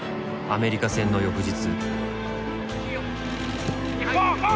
アメリカ戦の翌日。